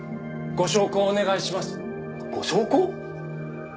ご焼香？